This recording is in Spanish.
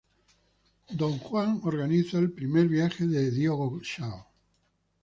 D. Juan organiza el primer viaje de Diogo Cão.